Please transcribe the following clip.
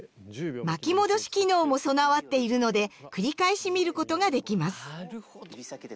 巻き戻し機能も備わっているので繰り返し見ることができます。